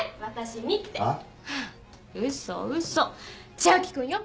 千秋君よ。